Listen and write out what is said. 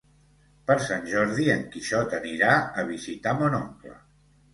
Per Sant Jordi en Quixot anirà a visitar mon oncle.